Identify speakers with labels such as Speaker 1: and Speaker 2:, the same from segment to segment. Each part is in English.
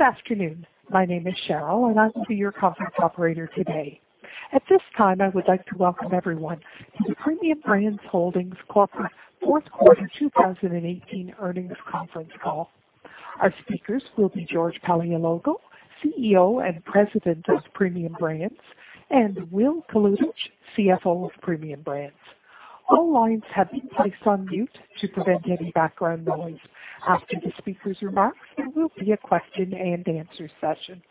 Speaker 1: Good afternoon. My name is Cheryl, and I will be your conference operator today. At this time, I would like to welcome everyone to the Premium Brands Holdings Corporation Fourth Quarter 2018 Earnings Conference Call. Our speakers will be George Paleologou, CEO and President of Premium Brands, and Will Kalutycz, CFO of Premium Brands. All lines have been placed on mute to prevent any background noise. After the speakers' remarks, there will be a question and answer session.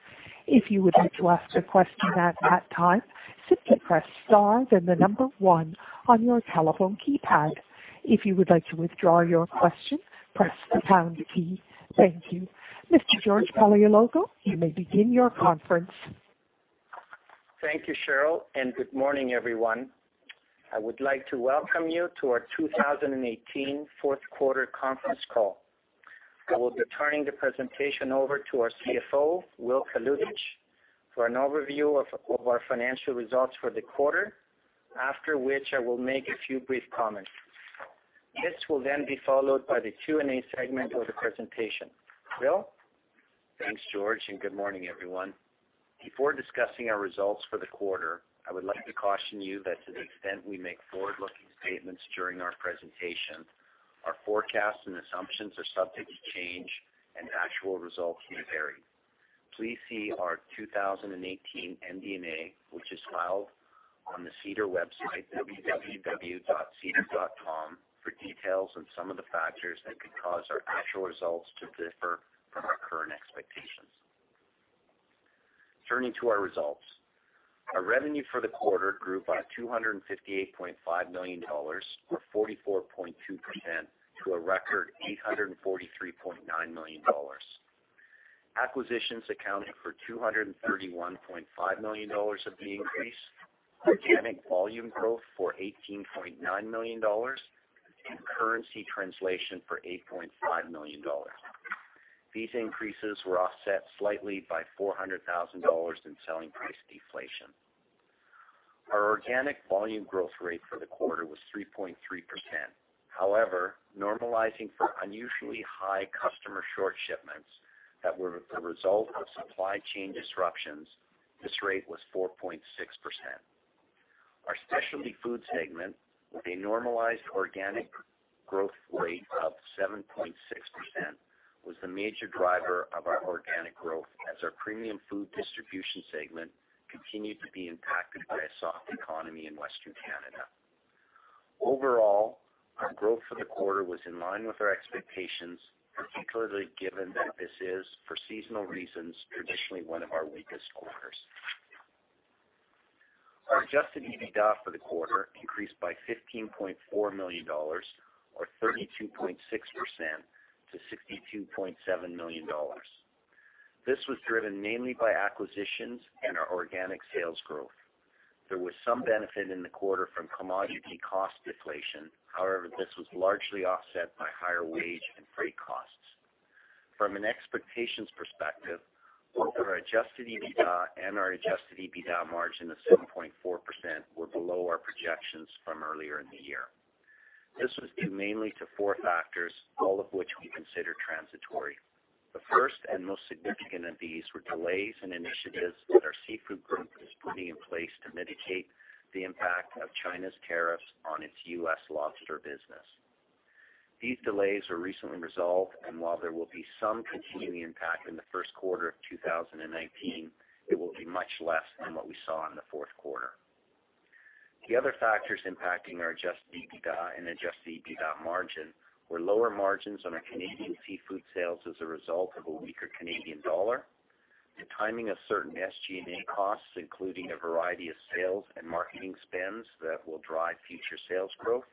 Speaker 1: If you would like to ask a question at that time, simply press star then the number one on your telephone keypad. If you would like to withdraw your question, press the pound key. Thank you. Mr. George Paleologou, you may begin your conference.
Speaker 2: Thank you, Cheryl, and good morning, everyone. I would like to welcome you to our 2018 fourth quarter conference call. I will be turning the presentation over to our CFO, Will Kalutycz, for an overview of our financial results for the quarter, after which I will make a few brief comments. This will then be followed by the Q&A segment of the presentation. Will?
Speaker 3: Thanks, George, and good morning, everyone. Before discussing our results for the quarter, I would like to caution you that to the extent we make forward-looking statements during our presentation, our forecasts and assumptions are subject to change and actual results may vary. Please see our 2018 MD&A, which is filed on the SEDAR website, www.sedar.com, for details on some of the factors that could cause our actual results to differ from our current expectations. Turning to our results. Our revenue for the quarter grew by 258.5 million dollars, or 44.2%, to a normalizing for unusually high customer short shipments that were the result of supply chain disruptions, this rate was 4.6%. Our specialty foods segment, with a normalized organic growth rate of 7.6%, was the major driver of our organic growth as our premium food distribution segment continued to be impacted by a soft economy in Western Canada. Overall, our growth for the quarter was in line with our expectations, particularly given that this is, for seasonal reasons, traditionally one of our weakest quarters. Our adjusted EBITDA for the quarter increased by 15.4 million dollars, or 32.6%, to 62.7 million dollars. This was driven mainly by acquisitions and our organic sales growth. There was some benefit in the quarter from commodity cost deflation. However, this was largely offset by higher wage and freight costs. From an expectations perspective, both our adjusted EBITDA and our adjusted EBITDA margin of 7.4% were below our projections from earlier in the year. This was due mainly to four factors, all of which we consider transitory. The first and most significant of these were delays in initiatives that our seafood group is putting in place to mitigate the impact of China's tariffs on its U.S. lobster business. These delays were recently resolved, and while there will be some continuing impact in the first quarter of 2019, it will be much less than what we saw in the fourth quarter. The other factors impacting our adjusted EBITDA and adjusted EBITDA margin were lower margins on our Canadian seafood sales as a result of a weaker Canadian dollar, the timing of certain SG&A costs, including a variety of sales and marketing spends that will drive future sales growth,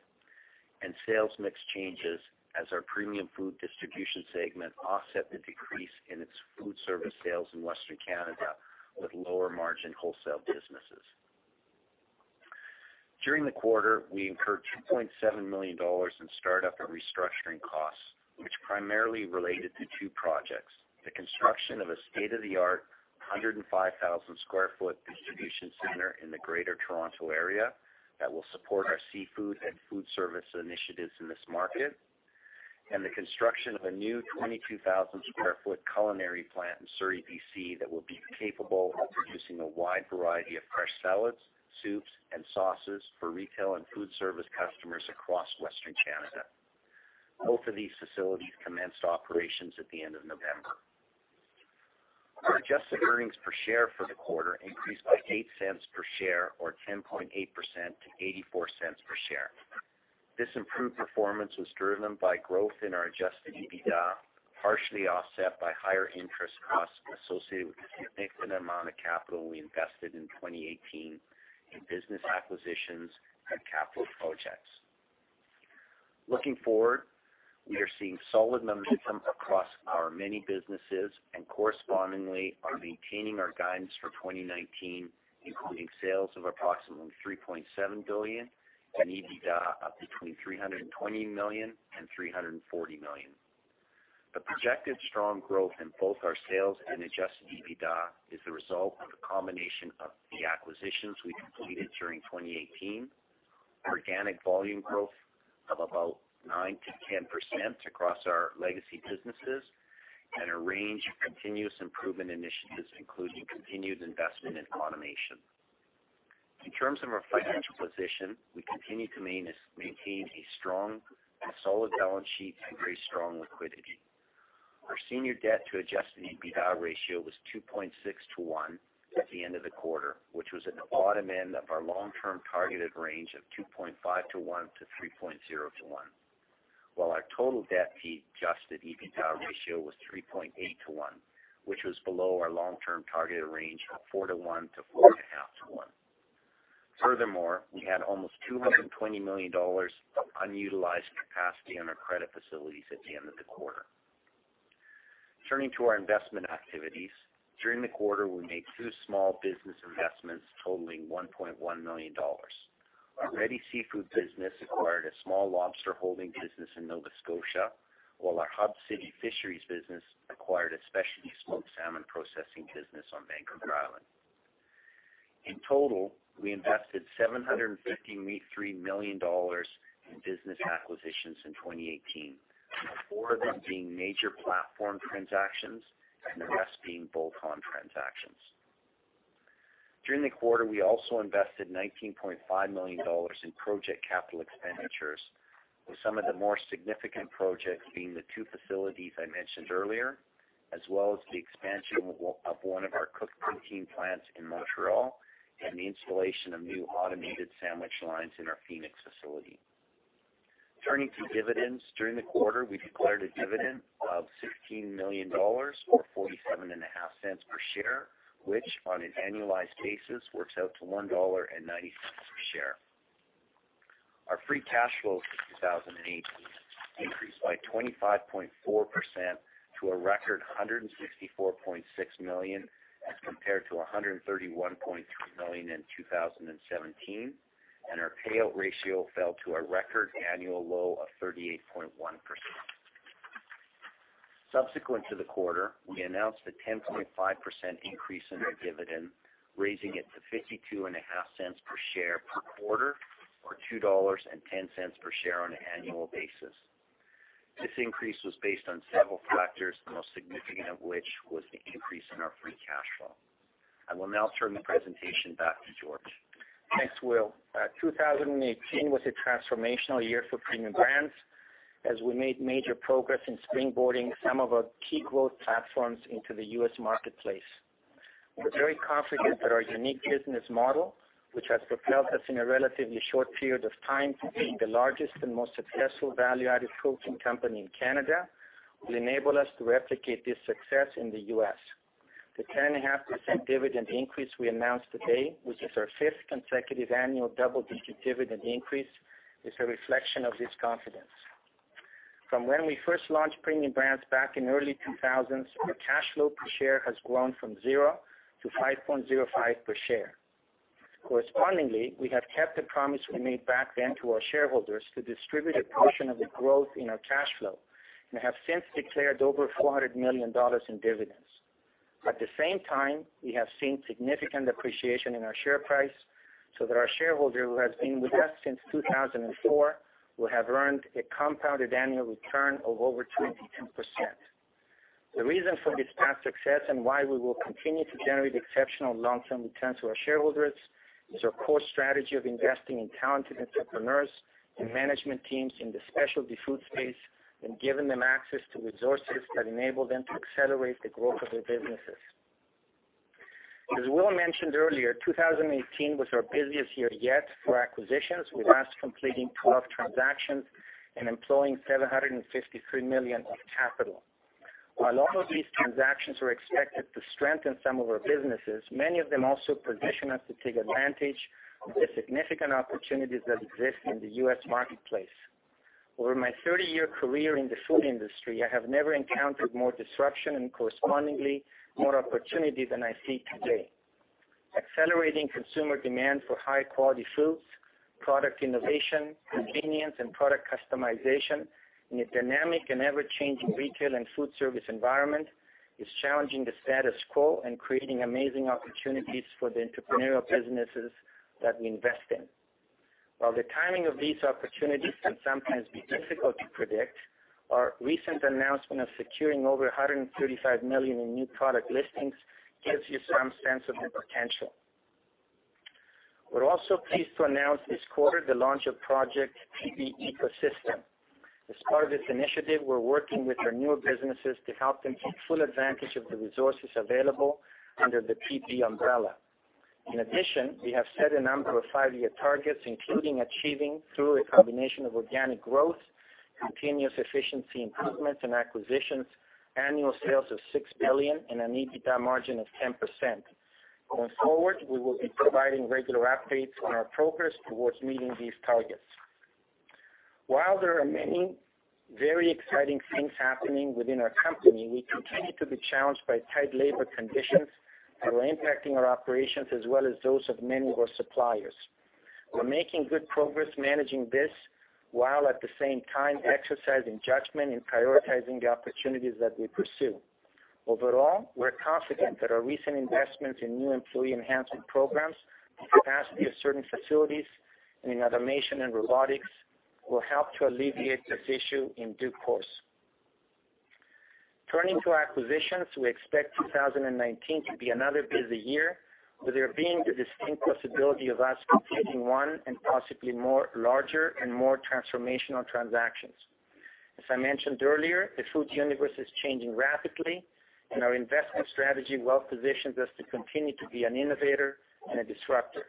Speaker 3: and sales mix changes as our premium food distribution segment offset the decrease in its food service sales in Western Canada with lower margin wholesale businesses. During the quarter, we incurred 2.7 million dollars in startup and restructuring costs, which primarily related to two projects, the construction of a state-of-the-art 105,000 sq ft distribution center in the Greater Toronto Area that will support our seafood and food service initiatives in this market, and the construction of a new 22,000 sq ft culinary plant in Surrey, B.C., that will be capable of producing a wide variety of fresh salads, soups, and sauces for retail and food service customers across Western Canada. Both of these facilities commenced operations at the end of November. Our adjusted earnings per share for the quarter increased by 0.08 per share, or 10.8%, to 0.84 per share. This improved performance was driven by growth in our adjusted EBITDA, partially offset by higher interest costs associated with the significant amount of capital we invested in 2018 in business acquisitions and capital projects. Looking forward, we are seeing solid momentum across our many businesses and correspondingly are maintaining our guidance for 2019, including sales of approximately 3.7 billion and EBITDA of between 320 million and 340 million. The projected strong growth in both our sales and adjusted EBITDA is the result of a combination of the acquisitions we completed during 2018 Organic volume growth of about 9%-10% across our legacy businesses and a range of continuous improvement initiatives, including continued investment in automation. In terms of our financial position, we continue to maintain a strong and solid balance sheet and very strong liquidity. Our senior debt to adjusted EBITDA ratio was 2.6:1 at the end of the quarter, which was at the bottom end of our long-term targeted range of 2.5:1 to 3.0:1. Our total debt to adjusted EBITDA ratio was 3.8 to 1, which was below our long-term targeted range of 4 to 1 to 4.5 to 1. Furthermore, we had almost 220 million dollars of unutilized capacity on our credit facilities at the end of the quarter. Turning to our investment activities, during the quarter, we made two small business investments totaling 1.1 million dollars. Our Ready Seafood business acquired a small lobster holding business in Nova Scotia, while our Hub City Fisheries business acquired a specialty smoked salmon processing business on Vancouver Island. In total, we invested 753 million dollars in business acquisitions in 2018, four of them being major platform transactions and the rest being bolt-on transactions. During the quarter, we also invested 19.5 million dollars in project capital expenditures, with some of the more significant projects being the two facilities I mentioned earlier, as well as the expansion of one of our cooked protein plants in Montreal and the installation of new automated sandwich lines in our Phoenix facility. Turning to dividends, during the quarter, we declared a dividend of 16 million dollars or 0.475 per share, which on an annualized basis works out to 1.90 dollar per share. Our free cash flow for 2018 increased by 25.4% to a record 164.6 million as compared to 131.3 million in 2017, and our payout ratio fell to a record annual low of 38.1%. Subsequent to the quarter, we announced a 10.5% increase in our dividend, raising it to 0.525 per share per quarter or 2.10 dollars per share on an annual basis. This increase was based on several factors, the most significant of which was the increase in our free cash flow. I will now turn the presentation back to George.
Speaker 2: Thanks, Will. 2018 was a transformational year for Premium Brands as we made major progress in springboarding some of our key growth platforms into the U.S. marketplace. We're very confident that our unique business model, which has propelled us in a relatively short period of time to being the largest and most successful value-added protein company in Canada, will enable us to replicate this success in the U.S. The 10.5% dividend increase we announced today, which is our fifth consecutive annual double-digit dividend increase, is a reflection of this confidence. From when we first launched Premium Brands back in early 2000s, our cash flow per share has grown from zero to 5.05 per share. Correspondingly, we have kept the promise we made back then to our shareholders to distribute a portion of the growth in our cash flow and have since declared over 400 million dollars in dividends. At the same time, we have seen significant appreciation in our share price so that our shareholder who has been with us since 2004 will have earned a compounded annual return of over 22%. The reason for this past success and why we will continue to generate exceptional long-term returns to our shareholders is our core strategy of investing in talented entrepreneurs and management teams in the specialty food space and giving them access to resources that enable them to accelerate the growth of their businesses. As Will mentioned earlier, 2018 was our busiest year yet for acquisitions, with us completing 12 transactions and employing 753 million of capital. While all of these transactions were expected to strengthen some of our businesses, many of them also position us to take advantage of the significant opportunities that exist in the U.S. marketplace. Over my 30-year career in the food industry, I have never encountered more disruption and correspondingly more opportunity than I see today. Accelerating consumer demand for high-quality foods, product innovation, convenience, and product customization in a dynamic and ever-changing retail and food service environment is challenging the status quo and creating amazing opportunities for the entrepreneurial businesses that we invest in. While the timing of these opportunities can sometimes be difficult to predict, our recent announcement of securing over 135 million in new product listings gives you some sense of the potential. We're also pleased to announce this quarter the launch of Project PB Ecosystem. As part of this initiative, we're working with our newer businesses to help them take full advantage of the resources available under the PB umbrella. In addition, we have set a number of five-year targets, including achieving through a combination of organic growth, continuous efficiency improvements, and acquisitions, annual sales of 6 billion and an EBITDA margin of 10%. Going forward, we will be providing regular updates on our progress towards meeting these targets. While there are many very exciting things happening within our company, we continue to be challenged by tight labor conditions that are impacting our operations as well as those of many of our suppliers. We're making good progress managing this while at the same time exercising judgment and prioritizing the opportunities that we pursue.
Speaker 3: Overall, we're confident that our recent investments in new employee enhancement programs, the capacity of certain facilities, and in automation and robotics will help to alleviate this issue in due course. Turning to acquisitions, we expect 2019 to be another busy year, with there being the distinct possibility of us completing one and possibly more larger and more transformational transactions. As I mentioned earlier, the food universe is changing rapidly, and our investment strategy well positions us to continue to be an innovator and a disruptor.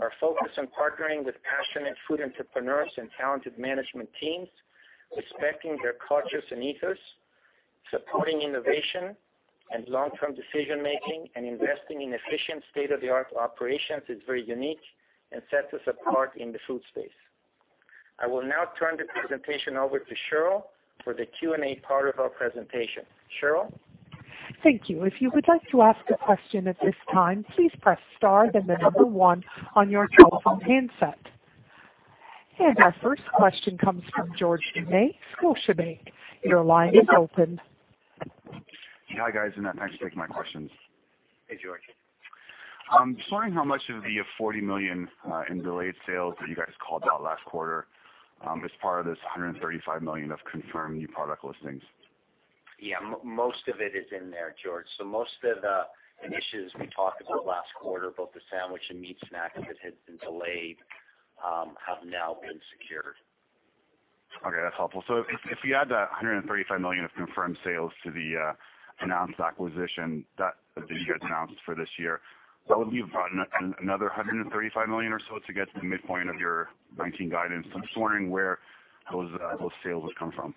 Speaker 3: Our focus on partnering with passionate food entrepreneurs and talented management teams, respecting their cultures and ethos, supporting innovation and long-term decision-making, and investing in efficient state-of-the-art operations is very unique and sets us apart in the food space. I will now turn the presentation over to Cheryl for the Q&A part of our presentation. Cheryl?
Speaker 1: Thank you. If you would like to ask a question at this time, please press star, then the number 1 on your telephone handset. Our first question comes from George Doumet, Scotiabank. Your line is open.
Speaker 4: Hi, guys, thanks for taking my questions.
Speaker 3: Hey, George.
Speaker 4: I'm just wondering how much of the 40 million in delayed sales that you guys called out last quarter as part of this 135 million of confirmed new product listings.
Speaker 3: Most of it is in there, George. Most of the initiatives we talked about last quarter, both the sandwich and meat snack that had been delayed, have now been secured.
Speaker 4: That's helpful. If you add that 135 million of confirmed sales to the announced acquisition that you guys announced for this year, that would leave another 135 million or so to get to the midpoint of your 2019 guidance. I'm just wondering where those sales would come from.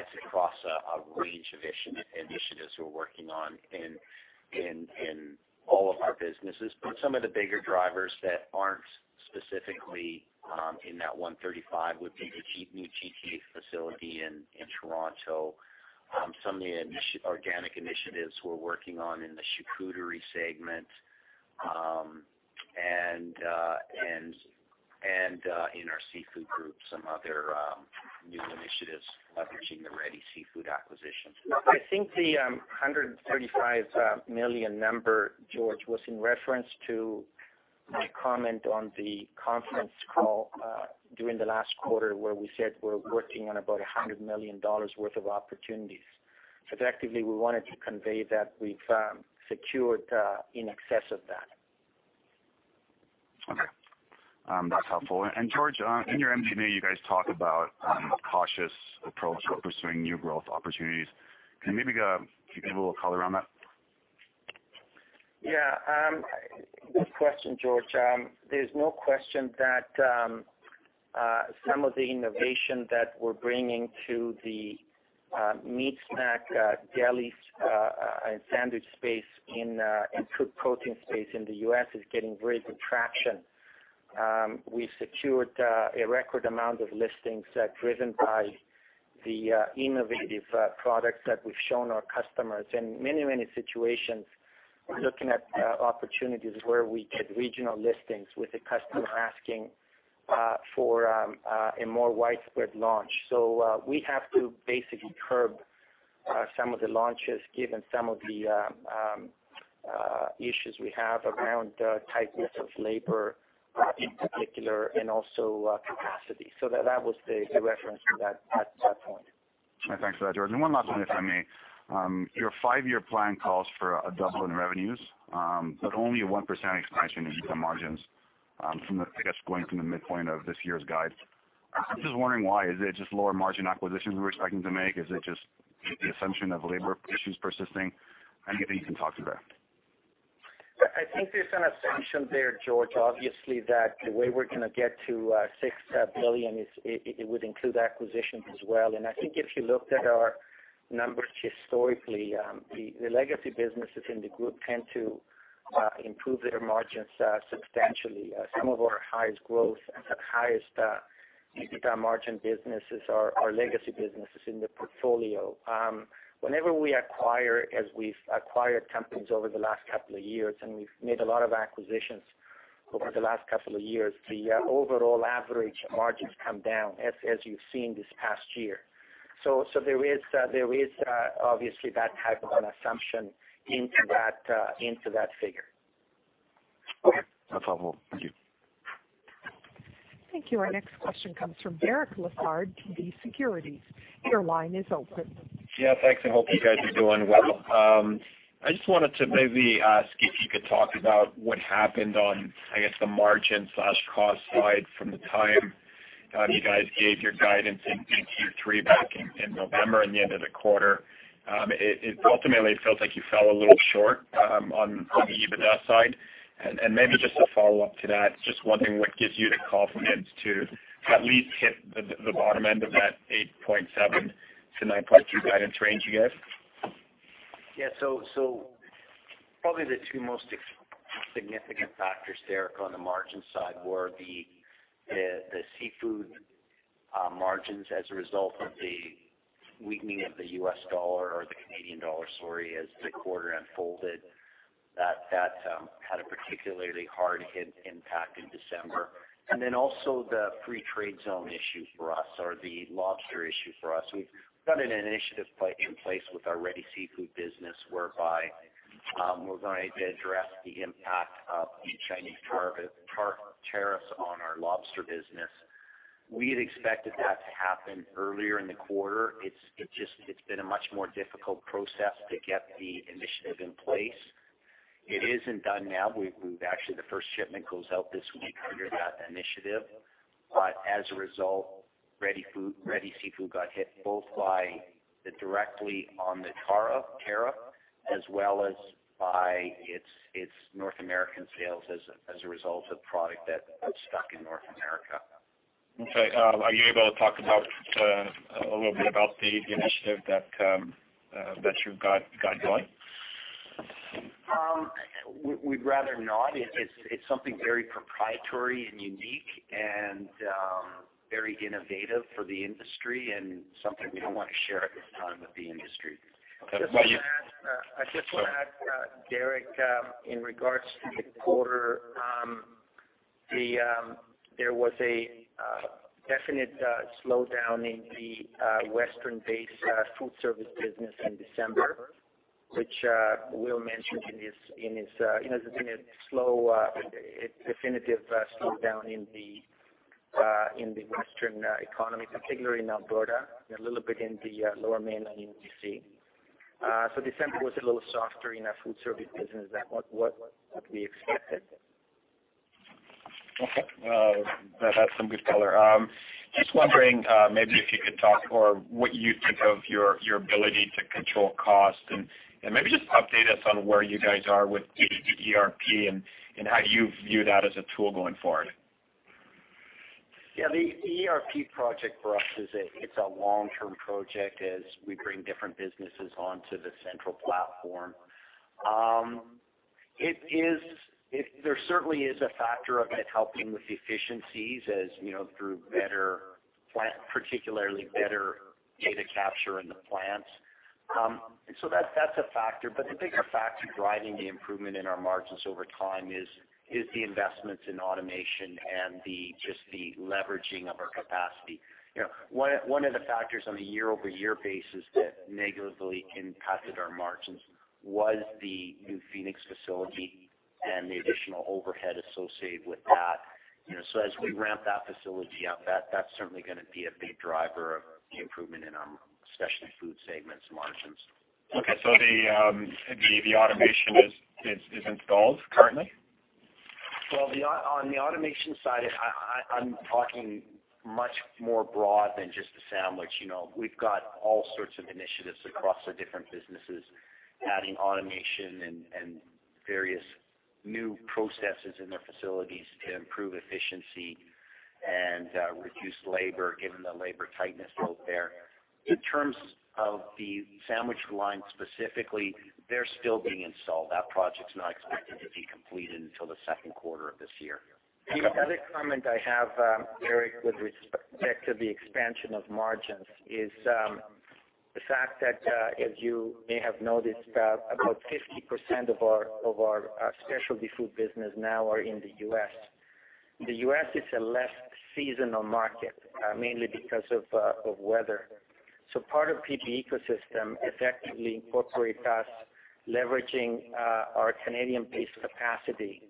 Speaker 3: It's across a range of initiatives we're working on in all of our businesses. Some of the bigger drivers that aren't specifically in that 135 would be the new GTA facility in Toronto. Some of the organic initiatives we're working on in the charcuterie segment, and in our seafood group, some other new initiatives leveraging the Ready Seafood acquisition.
Speaker 2: I think the 135 million number, George, was in reference to my comment on the conference call during the last quarter where we said we're working on about 100 million dollars worth of opportunities. Effectively, we wanted to convey that we've secured in excess of that.
Speaker 4: Okay. That's helpful. George, in your MD&A, you guys talk about a cautious approach for pursuing new growth opportunities. Can you maybe give people a color on that?
Speaker 2: Yeah. Good question, George. There's no question that some of the innovation that we're bringing to the meat snack, deli, and sandwich space and protein space in the U.S. is getting great traction. We've secured a record amount of listings driven by the innovative products that we've shown our customers. In many situations, we're looking at opportunities where we get regional listings with a customer asking for a more widespread launch. We have to basically curb some of the launches given some of the issues we have around tightness of labor in particular and also capacity. That was the reference to that point.
Speaker 4: Thanks for that, George. One last one, if I may. Your five-year plan calls for a doubling of revenues, but only a 1% expansion in EBITDA margins, I guess going from the midpoint of this year's guide. I'm just wondering why. Is it just lower margin acquisitions we're expecting to make? Is it just the assumption of labor issues persisting? Anything you can talk to that?
Speaker 3: I think there's an assumption there, George, obviously, that the way we're going to get to 6 billion, it would include acquisitions as well. I think if you looked at our numbers historically, the legacy businesses in the group tend to improve their margins substantially. Some of our highest growth and highest EBITDA margin businesses are our legacy businesses in the portfolio. Whenever we acquire, as we've acquired companies over the last couple of years, we've made a lot of acquisitions over the last couple of years, the overall average margins come down, as you've seen this past year. There is obviously that type of an assumption into that figure.
Speaker 4: Okay. That's helpful. Thank you.
Speaker 1: Thank you. Our next question comes from Derek Lessard, TD Securities. Your line is open.
Speaker 5: Thanks. I hope you guys are doing well. I just wanted to maybe ask if you could talk about what happened on, I guess, the margin/cost side from the time you guys gave your guidance in Q3 back in November and the end of the quarter. It ultimately feels like you fell a little short on the EBITDA side. Maybe just a follow-up to that, just wondering what gives you the confidence to at least hit the bottom end of that 8.7%-9.2% guidance range you gave?
Speaker 3: Probably the two most significant factors, Derek, on the margin side were the seafood margins as a result of the weakening of the U.S. dollar or the Canadian dollar, sorry, as the quarter unfolded. That had a particularly hard-hit impact in December. Also the free trade zone issue for us or the lobster issue for us. We've got an initiative in place with our Ready Seafood business whereby we're going to address the impact of the Chinese tariffs on our lobster business. We had expected that to happen earlier in the quarter. It's been a much more difficult process to get the initiative in place. It isn't done now. Actually, the first shipment goes out this week under that initiative. As a result, Ready Seafood got hit both directly on the tariff as well as by its North American sales as a result of product that got stuck in North America.
Speaker 5: Okay. Are you able to talk a little bit about the initiative that you've got going?
Speaker 3: We'd rather not. It's something very proprietary and unique and very innovative for the industry and something we don't want to share at this time with the industry.
Speaker 5: Okay.
Speaker 2: I just want to add, Derek, in regards to the quarter, there was a definite slowdown in the Western-based food service business in December, which Will mentioned in his slow, definitive slowdown in the Western economy, particularly in Alberta and a little bit in the Lower Mainland in BC. December was a little softer in our food service business than what we expected.
Speaker 5: Okay. That's some good color. Just wondering maybe if you could talk or what you think of your ability to control cost and maybe just update us on where you guys are with the ERP and how you view that as a tool going forward.
Speaker 3: Yeah, the ERP project for us, it's a long-term project as we bring different businesses onto the central platform. There certainly is a factor of it helping with efficiencies through particularly better data capture in the plants. That's a factor, the bigger factor driving the improvement in our margins over time is the investments in automation and just the leveraging of our capacity. One of the factors on a year-over-year basis that negatively impacted our margins was the new Phoenix facility and the additional overhead associated with that. As we ramp that facility up, that's certainly going to be a big driver of the improvement in our specialty food segments margins.
Speaker 5: Okay. The automation is installed currently?
Speaker 3: Well, on the automation side, I'm talking much more broad than just the sandwich. We've got all sorts of initiatives across the different businesses, adding automation and various new processes in their facilities to improve efficiency and reduce labor, given the labor tightness out there. In terms of the sandwich line specifically, they're still being installed. That project's not expected to be completed until the second quarter of this year.
Speaker 2: The other comment I have, Derek, with respect to the expansion of margins is the fact that, as you may have noticed, about 50% of our specialty food business now are in the U.S. The U.S. is a less seasonal market, mainly because of weather. Part of PB Ecosystem effectively incorporates us leveraging our Canadian-based capacity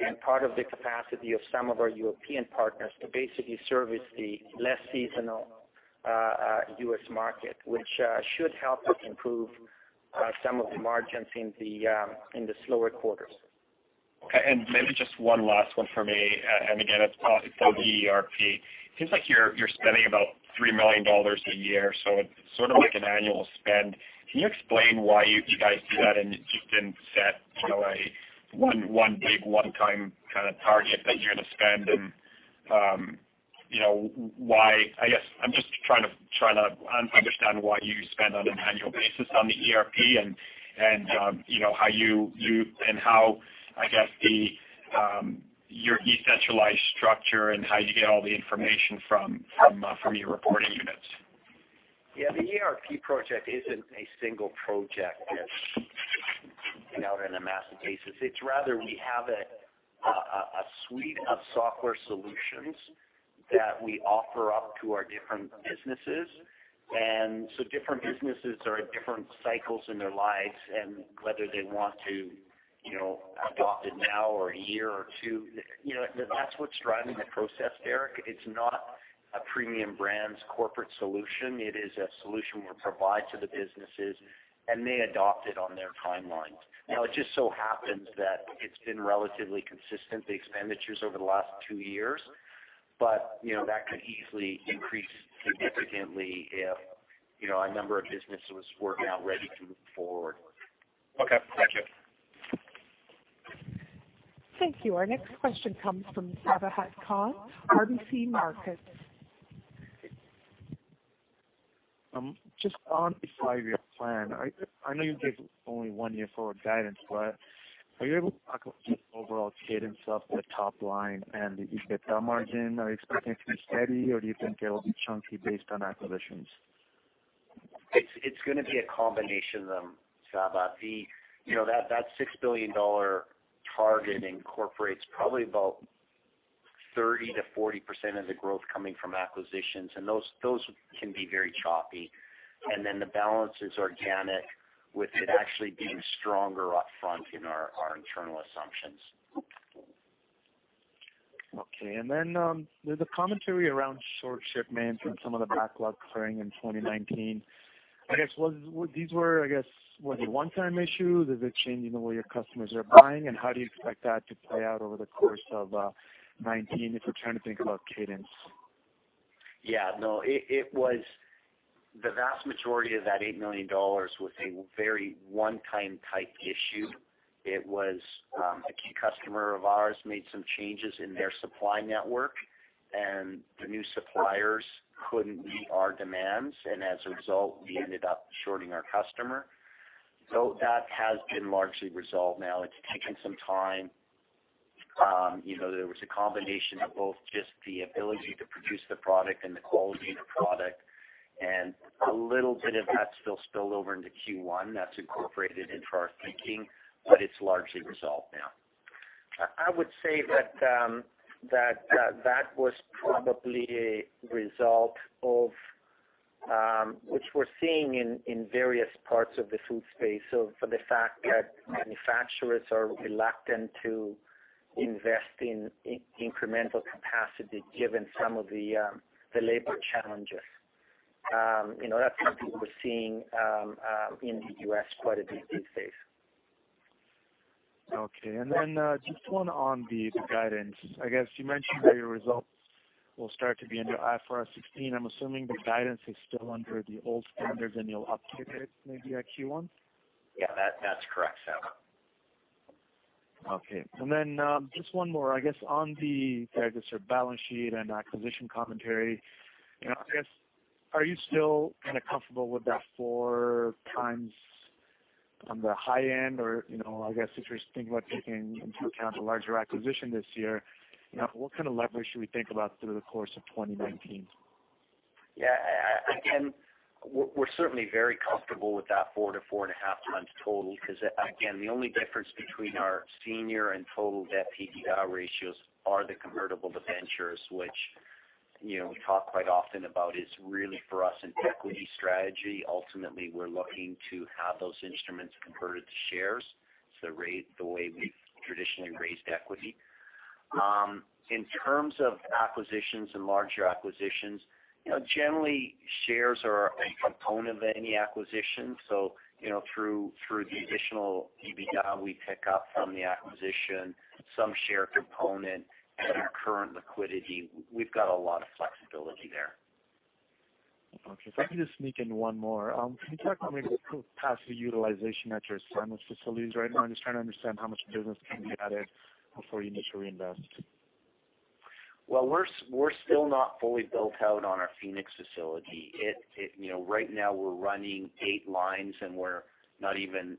Speaker 2: and part of the capacity of some of our European partners to basically service the less seasonal U.S. market, which should help us improve some of the margins in the slower quarters.
Speaker 5: Okay, maybe just one last one from me, and again, it's probably for the ERP. Seems like you're spending about 3 million dollars a year, it's sort of like an annual spend. Can you explain why you guys do that and you didn't set a one big one-time kind of target that you're going to spend and why? I guess I'm just trying to understand why you spend on an annual basis on the ERP and how your decentralized structure and how you get all the information from your reporting units.
Speaker 3: The ERP project isn't a single project that's out in a massive basis. It's rather we have a suite of software solutions that we offer up to our different businesses. Different businesses are at different cycles in their lives, and whether they want to adopt it now or a year or two, that's what's driving the process, Derek. It's not a Premium Brands corporate solution. It is a solution we provide to the businesses, and they adopt it on their timelines. It just so happens that it's been relatively consistent, the expenditures over the last two years, but that could easily increase significantly if a number of businesses were now ready to move forward.
Speaker 5: Okay. Thank you.
Speaker 1: Thank you. Our next question comes from Saba Hasan, RBC Capital Markets.
Speaker 6: On the five-year plan, I know you gave only one year forward guidance, are you able to talk about just the overall cadence of the top line and the EBITDA margin? Are you expecting it to be steady or do you think it'll be chunky based on acquisitions?
Speaker 3: It's going to be a combination of them, Saba. That 6 billion dollar target incorporates probably about 30%-40% of the growth coming from acquisitions, those can be very choppy. The balance is organic, with it actually being stronger up front in our internal assumptions.
Speaker 6: Okay. There's a commentary around short shipments and some of the backlog clearing in 2019. These were, was it a one-time issue? Does it change the way your customers are buying? How do you expect that to play out over the course of 2019, if we're trying to think about cadence?
Speaker 3: Yeah, no. The vast majority of that 8 million dollars was a very one-time type issue. It was a key customer of ours made some changes in their supply network, and the new suppliers couldn't meet our demands, and as a result, we ended up shorting our customer. That has been largely resolved now. It's taken some time. There was a combination of both just the ability to produce the product and the quality of the product. A little bit of that still spilled over into Q1 that's incorporated into our thinking, but it's largely resolved now.
Speaker 2: I would say that was probably a result of, which we're seeing in various parts of the food space, for the fact that manufacturers are reluctant to invest in incremental capacity given some of the labor challenges. That's something we're seeing in the U.S. quite a bit these days.
Speaker 6: Okay. Then just one on the guidance. I guess you mentioned that your results will start to be under IFRS 16. I'm assuming the guidance is still under the old standards and you'll update it maybe at Q1.
Speaker 3: Yeah, that's correct, Saba.
Speaker 6: Okay. Just one more, I guess, on the sort of balance sheet and acquisition commentary. Are you still kind of comfortable with that 4x on the high end? Or, I guess, if you're thinking about taking into account a larger acquisition this year, what kind of leverage should we think about through the course of 2019?
Speaker 3: Yeah. We're certainly very comfortable with that 4x-4.5x total, because, again, the only difference between our senior and total debt PDL ratios are the convertible debentures, which we talk quite often about is really for us an equity strategy. Ultimately, we're looking to have those instruments converted to shares. It's the way we've traditionally raised equity. In terms of acquisitions and larger acquisitions, generally shares are a component of any acquisition. Through the additional EBITDA we pick up from the acquisition, some share component and our current liquidity, we've got a lot of flexibility there.
Speaker 6: Okay. If I can just sneak in one more. Can you talk about maybe the capacity utilization at your sandwich facilities right now? I'm just trying to understand how much business can be added before you need to reinvest.
Speaker 3: Well, we're still not fully built out on our Phoenix facility. Right now we're running eight lines and we're not even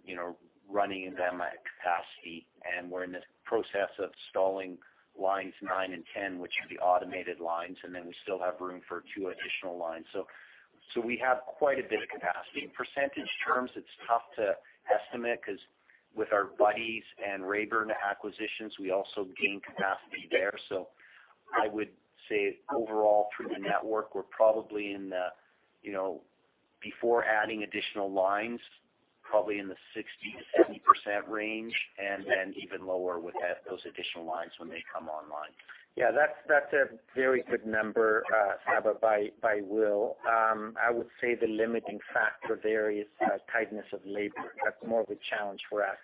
Speaker 3: running them at capacity, and we're in the process of installing lines nine and 10, which are the automated lines, and then we still have room for two additional lines. We have quite a bit of capacity. In percentage terms, it's tough to estimate because with our Buddy's and Raybern's acquisitions, we also gained capacity there. I would say overall through the network, we're probably in the, before adding additional lines, probably in the 60%-70% range, and then even lower with those additional lines when they come online.
Speaker 2: That's a very good number, Saba, by Will. I would say the limiting factor there is tightness of labor. That's more of a challenge for us.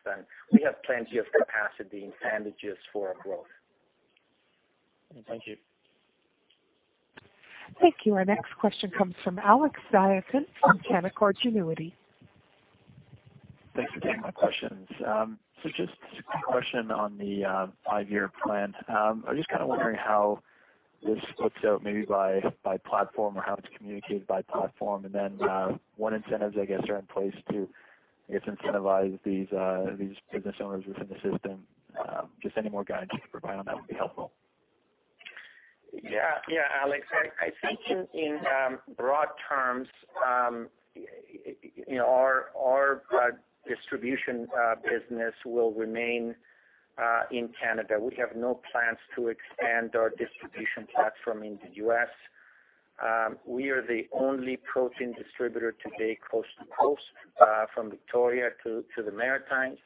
Speaker 2: We have plenty of capacity and sandwiches for our growth.
Speaker 6: Thank you.
Speaker 1: Thank you. Our next question comes from Alex Diakun from Canaccord Genuity.
Speaker 7: Thanks for taking my questions. A quick question on the five-year plan. I was wondering how this looks out maybe by platform or how it's communicated by platform, and then what incentives are in place to incentivize these business owners within the system? Any more guidance you could provide on that would be helpful.
Speaker 2: Alex. I think in broad terms, our distribution business will remain in Canada. We have no plans to expand our distribution platform in the U.S. We are the only protein distributor today, coast to coast, from Victoria to the Maritimes.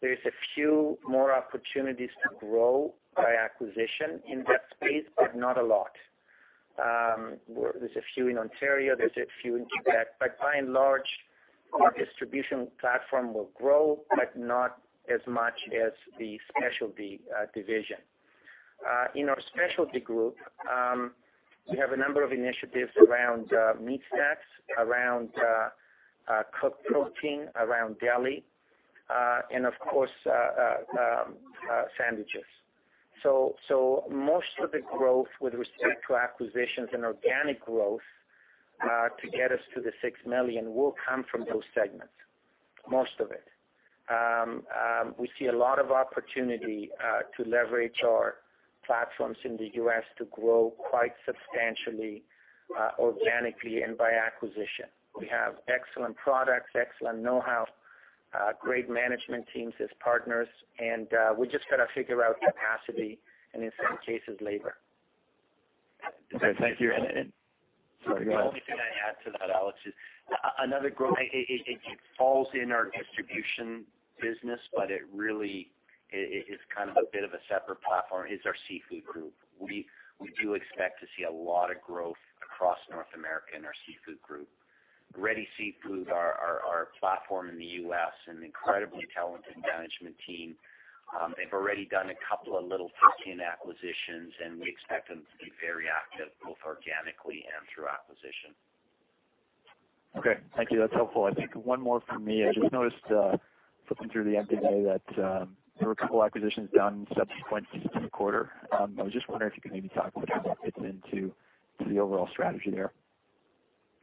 Speaker 2: There's a few more opportunities to grow by acquisition in that space, but not a lot. There's a few in Ontario, there's a few in Quebec, but by and large, our distribution platform will grow, but not as much as the specialty division. In our specialty group, we have a number of initiatives around meat snacks, around cooked protein, around deli, and of course, sandwiches. Most of the growth with respect to acquisitions and organic growth to get us to the 6 million will come from those segments. Most of it. We see a lot of opportunity to leverage our platforms in the U.S. to grow quite substantially, organically and by acquisition. We have excellent products, excellent know-how, great management teams as partners. We just got to figure out capacity and in some cases, labor.
Speaker 7: Okay. Thank you.
Speaker 3: The only thing I add to that, Alex, is another growth. It falls in our distribution business, but it really is kind of a bit of a separate platform, is our seafood group. We do expect to see a lot of growth across North America in our seafood group. Ready Seafood, our platform in the U.S., an incredibly talented management team. They've already done a couple of little tuck-in acquisitions. We expect them to be very active, both organically and through acquisition.
Speaker 7: Okay. Thank you. That's helpful. I think one more from me. I just noticed, flipping through the MD&A, that there were a couple acquisitions done subsequent to the quarter. I was just wondering if you could maybe talk a bit how that fits into the overall strategy there.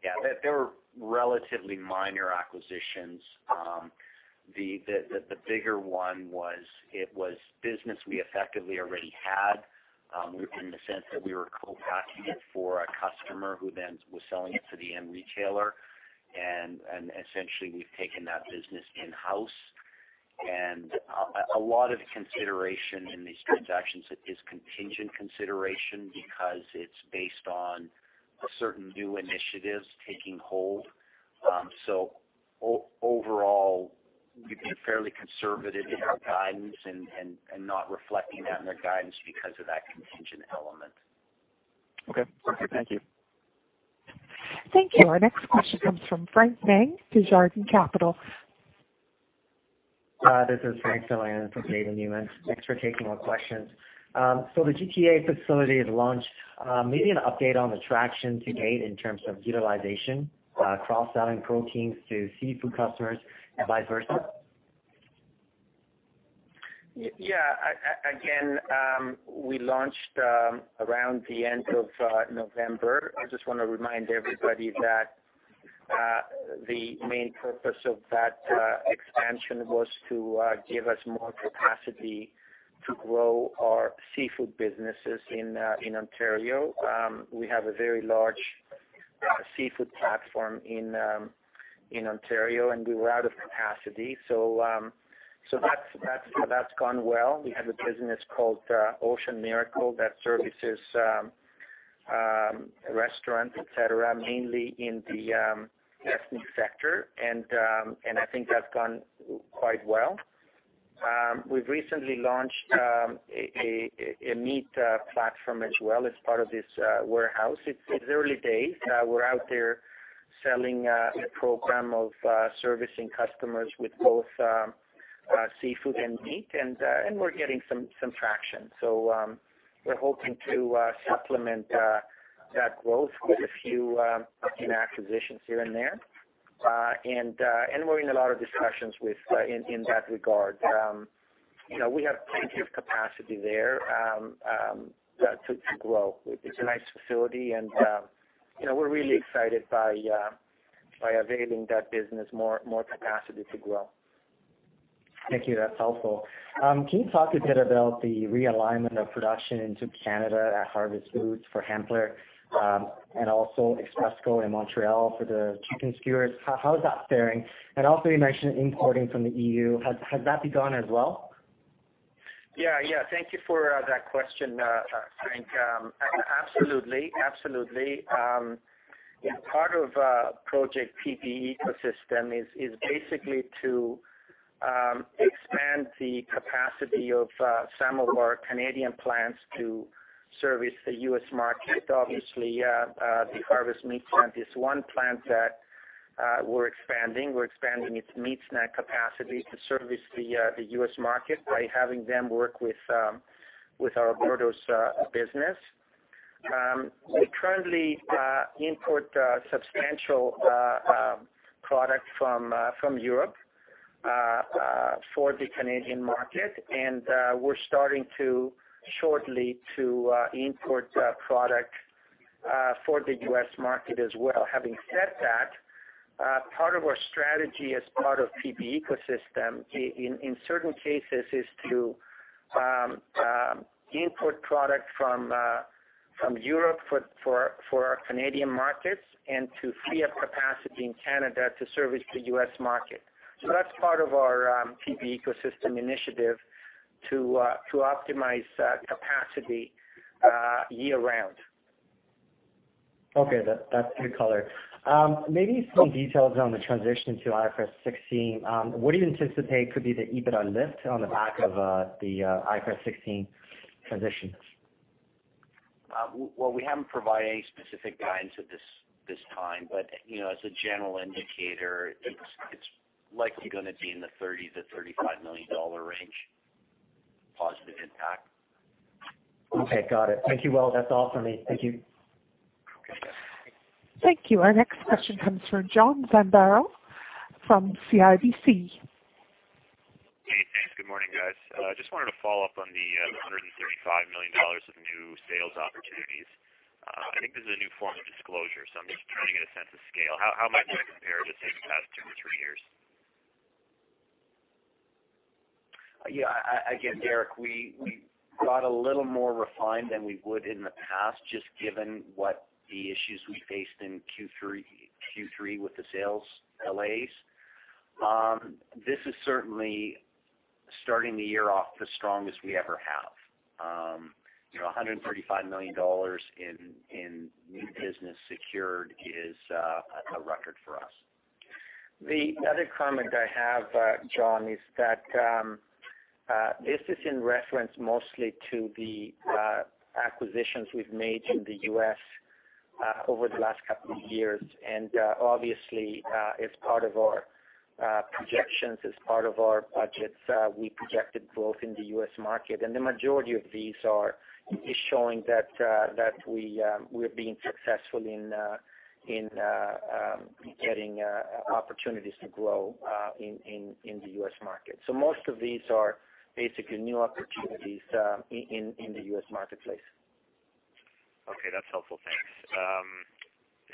Speaker 3: Yeah. They were relatively minor acquisitions. The bigger one was business we effectively already had, in the sense that we were co-packing it for a customer who then was selling it to the end retailer. Essentially, we've taken that business in-house. A lot of consideration in these transactions is contingent consideration because it's based on certain new initiatives taking hold. Overall, we've been fairly conservative in our guidance and not reflecting that in the guidance because of that contingent element.
Speaker 7: Okay. Thank you.
Speaker 1: Thank you. Our next question comes from Frank Meng, Desjardins Capital.
Speaker 8: This is Frank Meng from Desjardins. Thanks for taking our questions. The GTA facility has launched. Maybe an update on the traction to date in terms of utilization, cross-selling proteins to seafood customers and vice versa.
Speaker 2: Again, we launched around the end of November. I just want to remind everybody that the main purpose of that expansion was to give us more capacity to grow our seafood businesses in Ontario. We have a very large seafood platform in Ontario, and we were out of capacity. That's gone well. We have a business called Ocean Miracle that services restaurants, et cetera, mainly in the ethnic sector, and I think that's gone quite well. We've recently launched a meat platform as well as part of this warehouse. It's early days. We're out there selling a program of servicing customers with both seafood and meat, and we're getting some traction. We're hoping to supplement that growth with a few tuck-in acquisitions here and there. We're in a lot of discussions in that regard. We have plenty of capacity there to grow. It's a nice facility and we're really excited by availing that business more capacity to grow.
Speaker 8: Thank you. That's helpful. Can you talk a bit about the realignment of production into Canada at Harvest Meats for Hempler's, and also Expresco in Montreal for the chicken skewers? How is that faring? Also, you mentioned importing from the EU. Has that begun as well?
Speaker 2: Thank you for that question, Frank. Absolutely. Part of Project PB Ecosystem is basically to expand the capacity of some of our Canadian plants to service the U.S. market. Obviously, the Harvest Meats plant is one plant that we're expanding. We're expanding its meat snack capacity to service the U.S. market by having them work with our Bordeaux business. We currently import substantial product from Europe for the Canadian market, and we're starting shortly to import product for the U.S. market as well. Having said that, part of our strategy as part of PB Ecosystem, in certain cases, is to import product from Europe for our Canadian markets and to free up capacity in Canada to service the U.S. market. That's part of our PB Ecosystem initiative to optimize capacity year round.
Speaker 8: That's good color. Maybe some details on the transition to IFRS 16. What do you anticipate could be the EBITDA lift on the back of the IFRS 16 transition?
Speaker 3: Well, we haven't provided any specific guidance at this time, but as a general indicator, it's likely going to be in the 30 million-35 million dollar range positive impact.
Speaker 8: Got it. Thank you. Well, that's all for me. Thank you.
Speaker 3: Okay.
Speaker 1: Thank you. Our next question comes from John Zamparo from CIBC.
Speaker 9: Good morning, guys. Just wanted to follow up on the 135 million dollars of new sales opportunities. I think this is a new form of disclosure, so I'm just trying to get a sense of scale. How might this compare to say, the past two to three years?
Speaker 3: Yeah, again, Derek, we got a little more refined than we would in the past, just given what the issues we faced in Q3 with the sales delays. This is certainly starting the year off the strongest we ever have. 135 million dollars in new business secured is a record for us.
Speaker 2: The other comment I have, John, is that this is in reference mostly to the acquisitions we've made in the U.S. over the last couple of years. Obviously, as part of our projections, as part of our budgets, we projected growth in the U.S. market. The majority of these is showing that we're being successful in getting opportunities to grow in the U.S. market. Most of these are basically new opportunities in the U.S. marketplace.
Speaker 9: Okay. That's helpful. Thanks.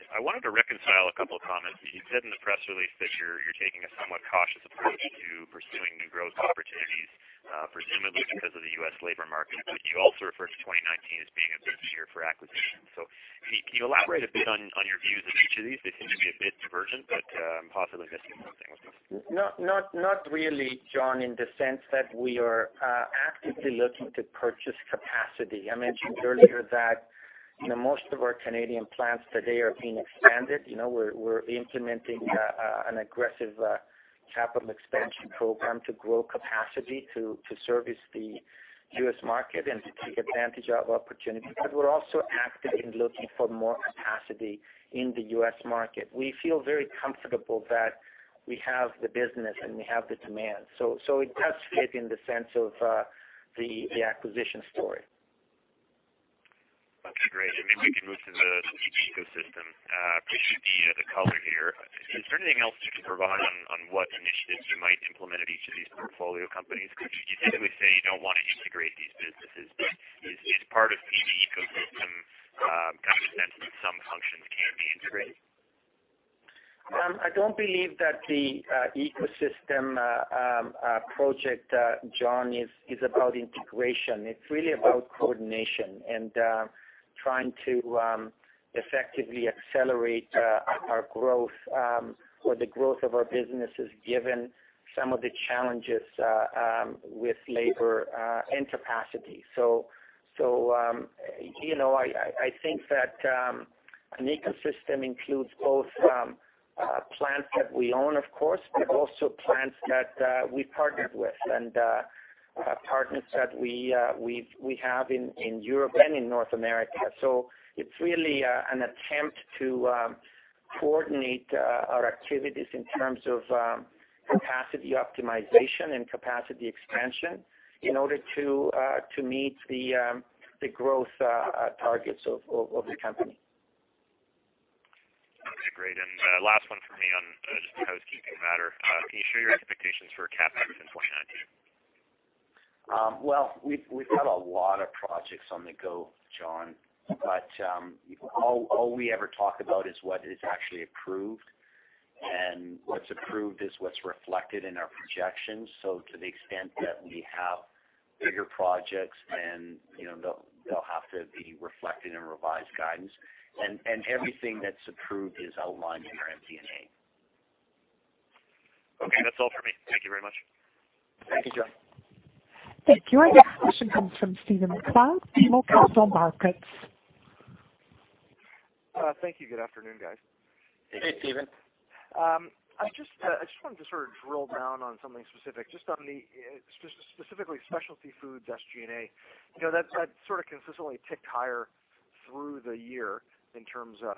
Speaker 9: I wanted to reconcile a couple of comments. You said in the press release that you're taking a somewhat cautious approach to pursuing new growth opportunities, presumably because of the U.S. labor market, but you also refer to 2019 as being a big year for acquisitions. Can you elaborate a bit on your views of each of these? They seem to be a bit divergent, but I'm possibly missing something.
Speaker 2: Not really, John, in the sense that we are actively looking to purchase capacity. I mentioned earlier that most of our Canadian plants today are being expanded. We're implementing an aggressive capital expansion program to grow capacity to service the U.S. market and to take advantage of opportunities, but we're also actively looking for more capacity in the U.S. market. We feel very comfortable that we have the business, and we have the demand. It does fit in the sense of the acquisition story.
Speaker 9: Okay, great. Maybe we can move to the PB Ecosystem. Appreciate the color here. Is there anything else you can provide on what initiatives you might implement at each of these portfolio companies? You did at least say you don't want to integrate these businesses, but is part of PB Ecosystem kind of a sense that some functions can be integrated?
Speaker 2: I don't believe that the Project PB Ecosystem, John, is about integration. It's really about coordination and trying to effectively accelerate our growth or the growth of our businesses, given some of the challenges with labor and capacity. I think that a PB Ecosystem includes both plants that we own, of course, but also plants that we partnered with and partners that we have in Europe and in North America. It's really an attempt to coordinate our activities in terms of capacity optimization and capacity expansion in order to meet the growth targets of the company.
Speaker 9: Okay, great. Last one from me on just a housekeeping matter. Can you share your expectations for CapEx in 2019?
Speaker 3: Well, we've got a lot of projects on the go, John, all we ever talk about is what is actually approved, and what's approved is what's reflected in our projections. To the extent that we have bigger projects, they'll have to be reflected in revised guidance. Everything that's approved is outlined in our MD&A.
Speaker 9: Okay. That's all for me. Thank you very much.
Speaker 3: Thank you, John.
Speaker 1: Thank you. Our next question comes from Stephen MacLeod, BMO Capital Markets.
Speaker 10: Thank you. Good afternoon, guys.
Speaker 3: Hey, Stephen.
Speaker 10: I just wanted to sort of drill down on something specific, just on the specifically Specialty Foods SG&A. That sort of consistently ticked higher through the year in terms of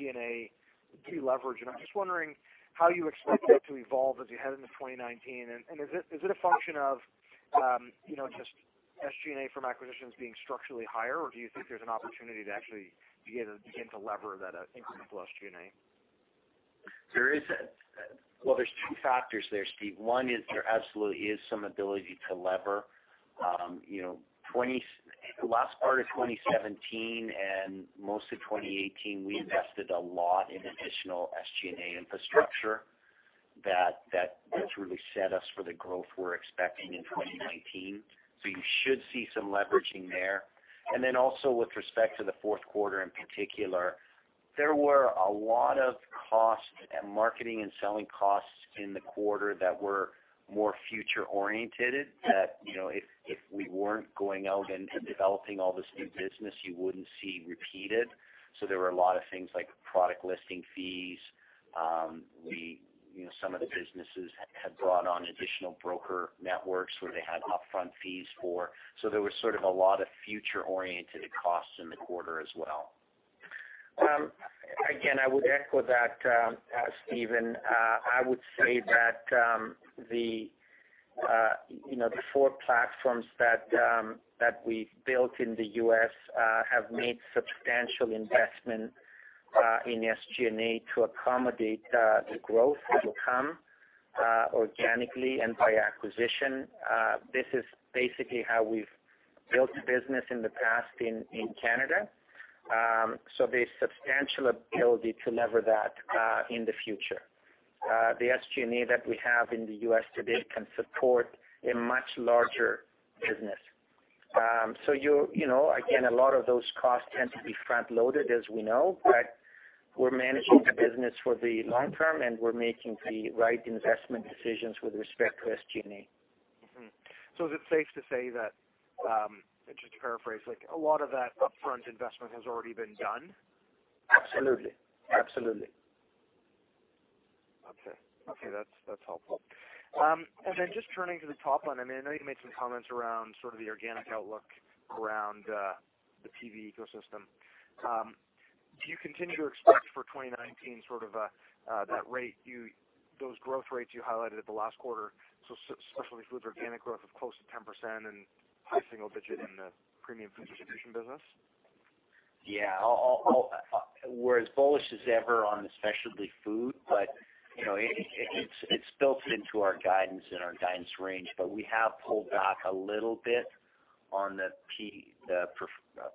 Speaker 10: G&A deleverage, and I'm just wondering how you expect that to evolve as you head into 2019. Is it a function of just SG&A from acquisitions being structurally higher, or do you think there's an opportunity to actually begin to lever that incremental SG&A?
Speaker 3: There's two factors there, Stephen. One is there absolutely is some ability to lever. Last part of 2017 and most of 2018, we invested a lot in additional SG&A infrastructure that really set us for the growth we're expecting in 2019. You should see some leveraging there. Also with respect to the fourth quarter in particular, there were a lot of costs and marketing and selling costs in the quarter that were more future-oriented, that if we weren't going out and developing all this new business, you wouldn't see repeated. There were a lot of things like product listing fees. Some of the businesses had brought on additional broker networks where they had upfront fees for. There was sort of a lot of future-oriented costs in the quarter as well.
Speaker 2: Again, I would echo that, Stephen. I would say that the four platforms that we built in the U.S. have made substantial investment in SG&A to accommodate the growth that will come organically and by acquisition. This is basically how we've built the business in the past in Canada. There's substantial ability to lever that in the future. The SG&A that we have in the U.S. today can support a much larger business. Again, a lot of those costs tend to be front-loaded, as we know, but we're managing the business for the long term, and we're making the right investment decisions with respect to SG&A.
Speaker 10: Is it safe to say that, just to paraphrase, a lot of that upfront investment has already been done?
Speaker 2: Absolutely.
Speaker 10: That's helpful. Just turning to the top line, I know you made some comments around sort of the organic outlook around the PB Ecosystem. Do you continue to expect for 2019 sort of those growth rates you highlighted at the last quarter, so specialty food organic growth of close to 10% and high single digit in the premium food distribution business?
Speaker 3: We're as bullish as ever on specialty food, it's built into our guidance and our guidance range, we have pulled back a little bit on the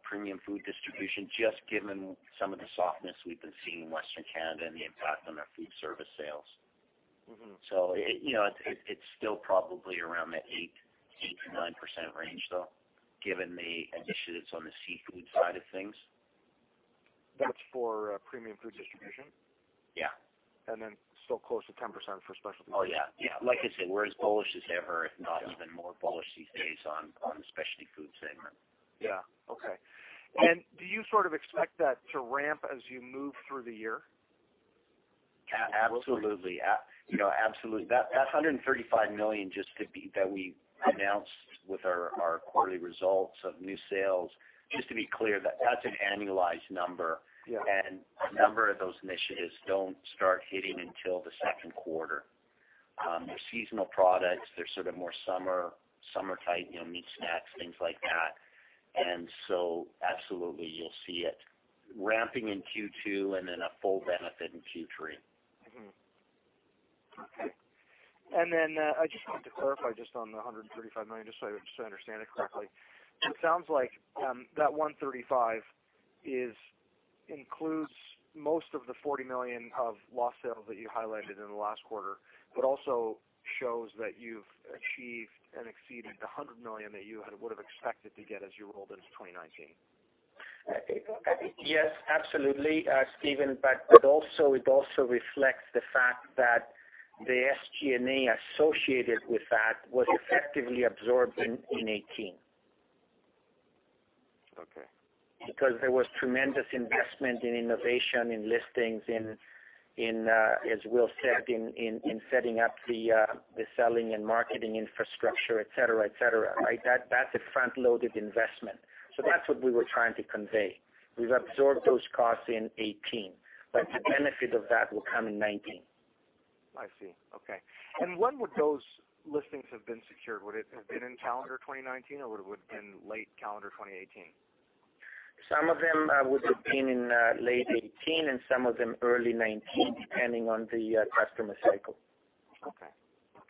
Speaker 3: premium food distribution, just given some of the softness we've been seeing in Western Canada and the impact on our food service sales. It's still probably around the 8%-9% range, though, given the initiatives on the seafood side of things.
Speaker 10: That's for premium food distribution?
Speaker 3: Yeah.
Speaker 10: Still close to 10% for specialty food?
Speaker 3: Oh, yeah. Like I said, we're as bullish as ever, if not even more bullish these days on the specialty food segment.
Speaker 10: Yeah. Okay. Do you sort of expect that to ramp as you move through the year?
Speaker 3: Absolutely. That 135 million that we announced with our quarterly results of new sales, just to be clear, that's an annualized number.
Speaker 10: Yeah.
Speaker 3: A number of those initiatives don't start hitting until the second quarter. They're seasonal products. They're sort of more summer type, meat snacks, things like that. Absolutely, you'll see it ramping in Q2 and then a full benefit in Q3.
Speaker 10: Mm-hmm. Okay. I just wanted to clarify just on the 135 million, just so I understand it correctly. It sounds like that 135 million includes most of the 40 million of lost sales that you highlighted in the last quarter, but also shows that you've achieved and exceeded the 100 million that you would've expected to get as you rolled into 2019.
Speaker 2: Yes, absolutely, Stephen, it also reflects the fact that the SG&A associated with that was effectively absorbed in 2018.
Speaker 10: Okay.
Speaker 2: There was tremendous investment in innovation, in listings, as Will said, in setting up the selling and marketing infrastructure, et cetera. That's a front-loaded investment. That's what we were trying to convey. We've absorbed those costs in 2018, the benefit of that will come in 2019.
Speaker 10: I see. Okay. When would those listings have been secured? Would it have been in calendar 2019, or would it have been late calendar 2018?
Speaker 2: Some of them would have been in late 2018 and some of them early 2019, depending on the customer cycle.
Speaker 10: Okay.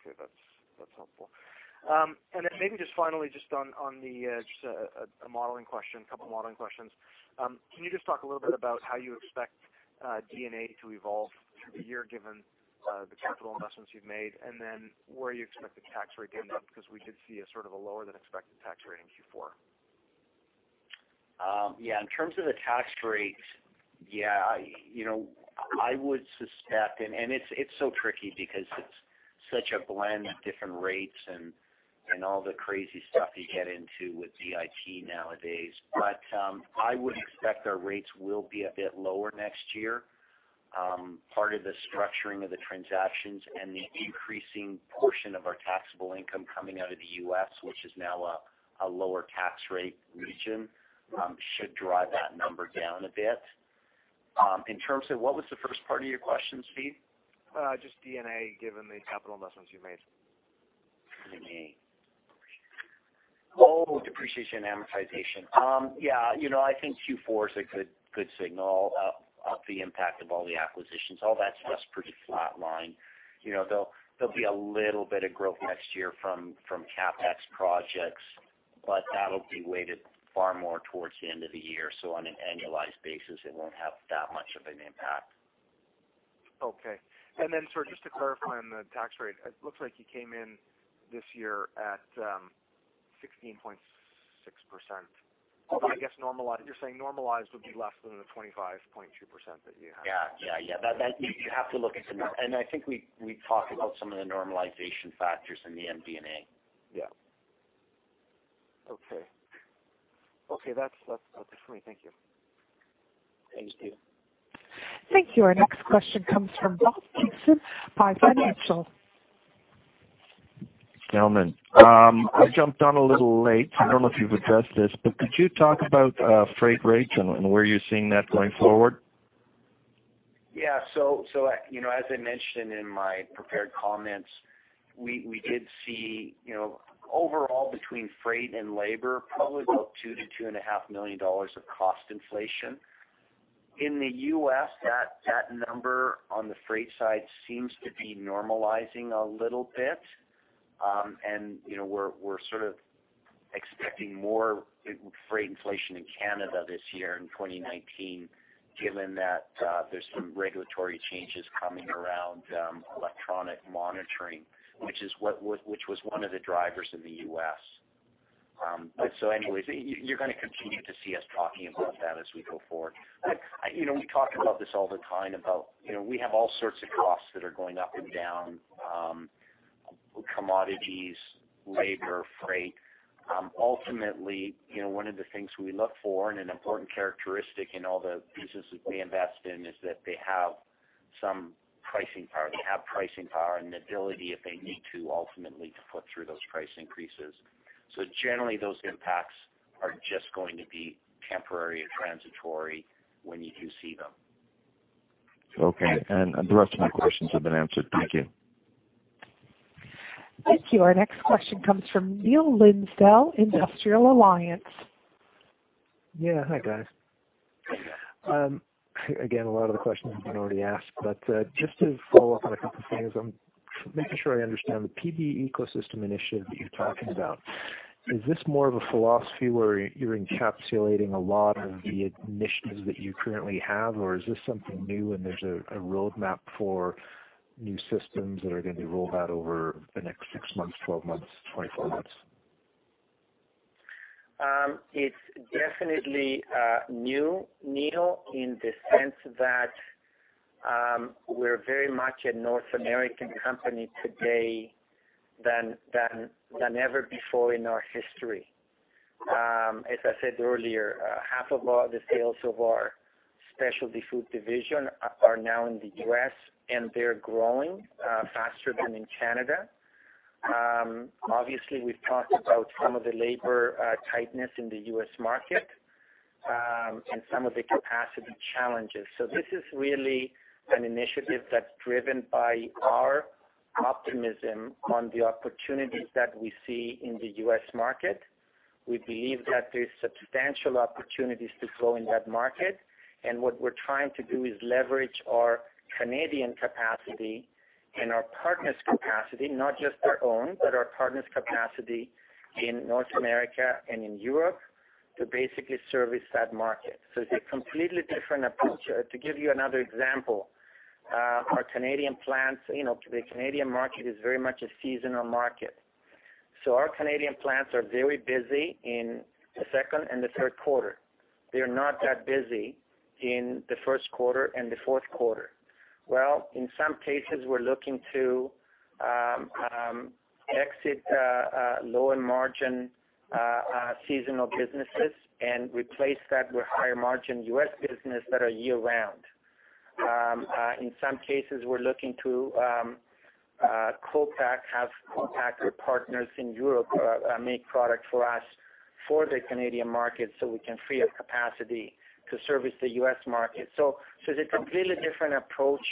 Speaker 10: That's helpful. Then maybe just finally, just a modeling question, couple modeling questions. Can you just talk a little bit about how you expect D&A to evolve through the year given the capital investments you've made, and then where you expect the tax rate to end up, because we did see a sort of a lower than expected tax rate in Q4?
Speaker 3: In terms of the tax rate, I would suspect, it's so tricky because it's such a blend of different rates and all the crazy stuff you get into with CIT nowadays, I would expect our rates will be a bit lower next year. Part of the structuring of the transactions and the increasing portion of our taxable income coming out of the U.S., which is now a lower tax rate region, should drive that number down a bit. In terms of, what was the first part of your question, Stephen?
Speaker 10: Just D&A, given the capital investments you made.
Speaker 3: D&A. depreciation and amortization. Yeah, I think Q4 is a good signal of the impact of all the acquisitions. All that's just pretty flatlined. There'll be a little bit of growth next year from CapEx projects, but that'll be weighted far more towards the end of the year, on an annualized basis, it won't have that much of an impact.
Speaker 10: Okay. sir, just to clarify on the tax rate, it looks like you came in this year at 16.6%.
Speaker 3: Okay.
Speaker 10: I guess you're saying normalized would be less than the 25.2% that you had.
Speaker 3: Yeah. You have to look at the I think we talked about some of the normalization factors in the MD&A.
Speaker 10: Yeah. Okay. That's it for me. Thank you.
Speaker 3: Thanks, Steve.
Speaker 1: Thank you. Our next question comes from Ross Gibson, Piper Jaffray.
Speaker 11: Delman. I jumped on a little late. I don't know if you've addressed this, but could you talk about freight rates and where you're seeing that going forward?
Speaker 3: Yeah. As I mentioned in my prepared comments, we did see, overall between freight and labor, probably about 2 million-2.5 million dollars of cost inflation. In the U.S., that number on the freight side seems to be normalizing a little bit. We're sort of expecting more freight inflation in Canada this year in 2019, given that there's some regulatory changes coming around electronic monitoring, which was one of the drivers in the U.S. You're going to continue to see us talking about that as we go forward. We talk about this all the time about, we have all sorts of costs that are going up and down. Commodities, labor, freight. Ultimately, one of the things we look for, and an important characteristic in all the businesses we invest in, is that they have some pricing power. They have pricing power and the ability, if they need to, ultimately, to put through those price increases. Generally, those impacts are just going to be temporary and transitory when you do see them.
Speaker 11: Okay. The rest of my questions have been answered. Thank you.
Speaker 1: Thank you. Our next question comes from Neil Linsdell, Industrial Alliance.
Speaker 12: Yeah. Hi guys. A lot of the questions have been already asked, just to follow up on a couple things. I'm making sure I understand the PB Ecosystem Initiative that you're talking about. Is this more of a philosophy where you're encapsulating a lot of the initiatives that you currently have, or is this something new and there's a roadmap for new systems that are going to be rolled out over the next 6 months, 12 months, 24 months?
Speaker 3: It's definitely new, Neil, in the sense that we're very much a North American company today than ever before in our history. As I said earlier, half of the sales of our specialty food division are now in the U.S., and they're growing faster than in Canada. Obviously, we've talked about some of the labor tightness in the U.S. market, and some of the capacity challenges. This is really an initiative that's driven by our optimism on the opportunities that we see in the U.S. market. We believe that there's substantial opportunities to grow in that market. What we're trying to do is leverage our Canadian capacity and our partners' capacity, not just our own, but our partners' capacity in North America and in Europe to basically service that market. It's a completely different approach. To give you another example, our Canadian plants, the Canadian market is very much a seasonal market. Our Canadian plants are very busy in the second and the third quarter. They're not that busy in the first quarter and the fourth quarter. Well, in some cases, we're looking to exit lower margin seasonal businesses and replace that with higher margin U.S. business that are year-round. In some cases, we're looking to co-pack, have co-packed with partners in Europe, make product for us for the Canadian market so we can free up capacity to service the U.S. market. It's a completely different approach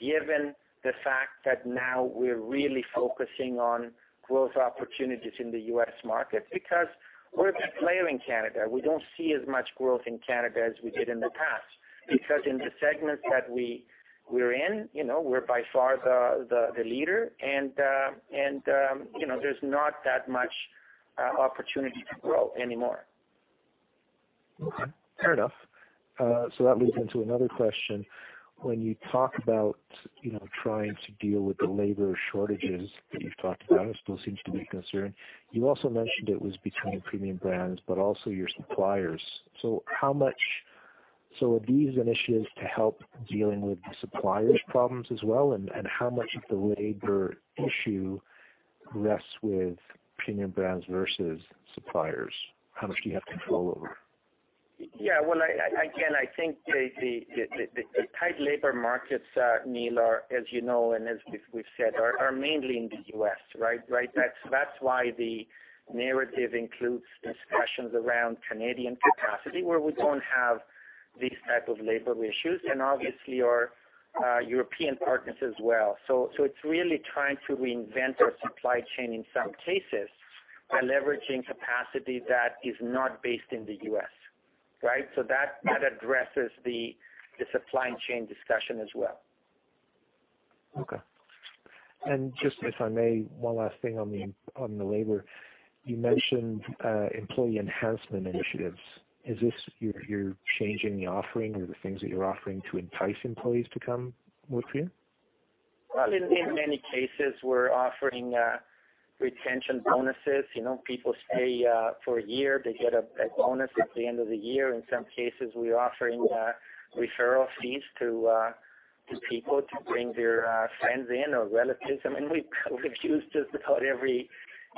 Speaker 3: given the fact that now we're really focusing on growth opportunities in the U.S. market because we're a big player in Canada. We don't see as much growth in Canada as we did in the past because in the segments that we're in, we're by far the leader and there's not that much opportunity to grow anymore.
Speaker 12: Okay. Fair enough. That leads into another question. When you talk about trying to deal with the labor shortages that you've talked about, it still seems to be a concern. You also mentioned it was between Premium Brands, but also your suppliers. Are these initiatives to help dealing with the suppliers' problems as well, and how much of the labor issue rests with Premium Brands versus suppliers? How much do you have control over?
Speaker 3: Yeah. Well, again, I think the tight labor markets, Neil, are as you know and as we've said, are mainly in the U.S., right? That's why the narrative includes discussions around Canadian capacity where we don't have these type of labor issues and obviously our European partners as well. It's really trying to reinvent our supply chain in some cases by leveraging capacity that is not based in the U.S. Right? That addresses the supply chain discussion as well.
Speaker 12: Okay. Just if I may, one last thing on the labor. You mentioned employee enhancement initiatives. Is this you're changing the offering or the things that you're offering to entice employees to come with you?
Speaker 3: Well, in many cases, we're offering retention bonuses. People stay for a year, they get a bonus at the end of the year. In some cases, we're offering referral fees to people to bring their friends in or relatives. We've used just about every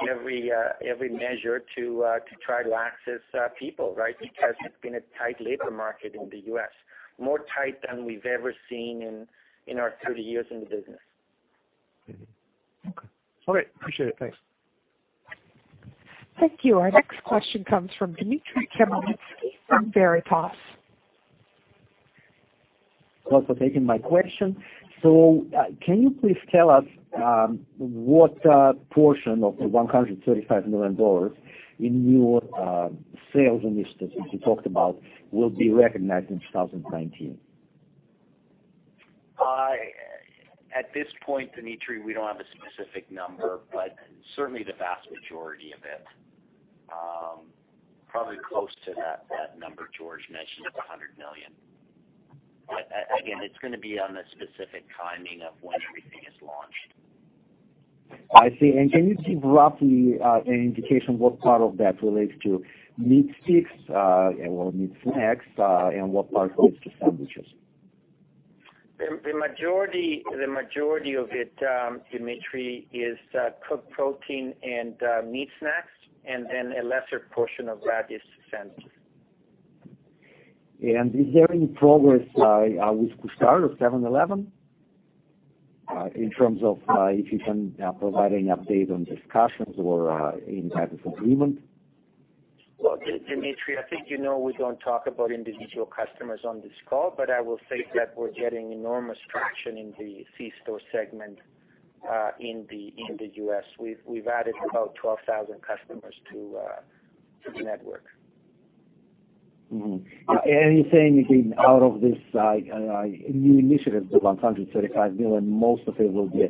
Speaker 3: measure to try to access people, right? Because it's been a tight labor market in the U.S., more tight than we've ever seen in our 30 years in the business.
Speaker 12: Mm-hmm. Okay. All right. Appreciate it. Thanks.
Speaker 1: Thank you. Our next question comes from Dmitry Kaminskiy from Veritas.
Speaker 13: Thanks for taking my question. Can you please tell us what portion of the 135 million dollars in your sales initiatives you talked about will be recognized in 2019?
Speaker 3: At this point, Dmitry, we don't have a specific number, but certainly the vast majority of it. Probably close to that number George mentioned of 100 million. Again, it's going to be on the specific timing of when everything is launched.
Speaker 13: I see. Can you give roughly an indication what part of that relates to meat sticks and meat snacks, and what part relates to sandwiches?
Speaker 2: The majority of it, Dmitry, is cooked protein and meat snacks, and then a lesser portion of that is sandwiches.
Speaker 13: Is there any progress with Couche-Tard or 7-Eleven in terms of if you can provide any update on discussions or any type of agreement?
Speaker 2: Well, Dmitry, I think you know we don't talk about individual customers on this call, but I will say that we're getting enormous traction in the C-store segment in the U.S. We've added about 12,000 customers to the network.
Speaker 13: Mm-hmm. Are you saying out of this new initiative, the 135 million, most of it will be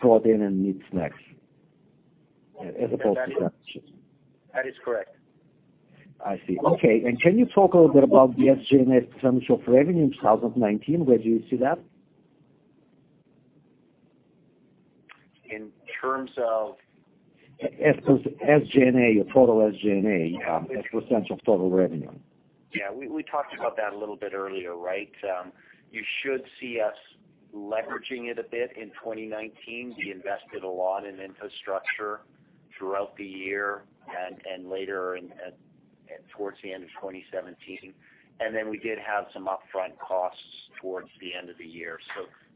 Speaker 13: protein and meat snacks as opposed to sandwiches?
Speaker 3: That is correct.
Speaker 13: I see. Okay. Can you talk a little bit about the SG&A in terms of revenue in 2019? Where do you see that?
Speaker 3: In terms of?
Speaker 13: SG&A or total SG&A as a % of total revenue.
Speaker 3: Yeah. We talked about that a little bit earlier, right? You should see us leveraging it a bit in 2019. We invested a lot in infrastructure throughout the year and later towards the end of 2017. Then we did have some upfront costs towards the end of the year.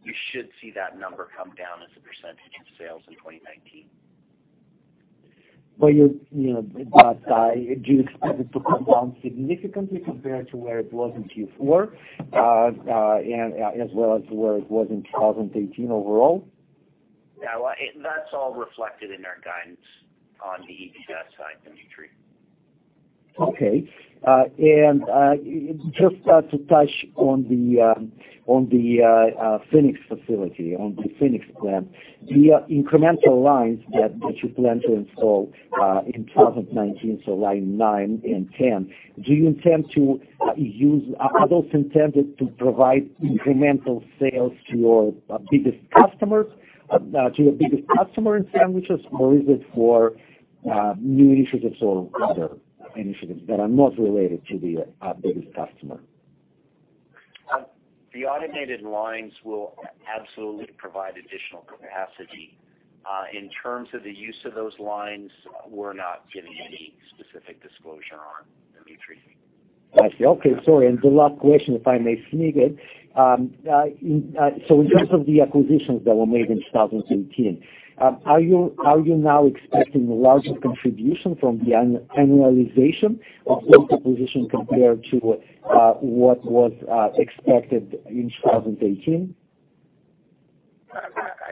Speaker 3: You should see that number come down as a % of sales in 2019.
Speaker 13: Do you expect it to come down significantly compared to where it was in Q4 as well as where it was in 2018 overall?
Speaker 3: That's all reflected in our guidance on the EPS side, Dmitry.
Speaker 13: Okay. Just to touch on the Phoenix facility, on the Phoenix plant, the incremental lines that you plan to install in 2019, so line 9 and 10, are those intended to provide incremental sales to your biggest customer in sandwiches or is it for new initiatives or other initiatives that are not related to the biggest customer?
Speaker 3: The automated lines will absolutely provide additional capacity. In terms of the use of those lines, we're not giving any specific disclosure on that, Dmitry.
Speaker 13: I see. Okay, sorry. The last question, if I may sneak it. In terms of the acquisitions that were made in 2018, are you now expecting a larger contribution from the annualization of the acquisitions compared to what was expected in 2018?